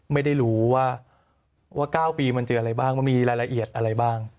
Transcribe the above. ไม่รู้ว่า๙ปีมันเจออะไรบ้างมันมีรายละเอียดอะไรบ้าง